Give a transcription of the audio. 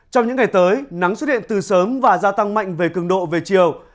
trong những ngày tới nắng xuất hiện từ sớm và gia tăng mạnh về cường độ về chiều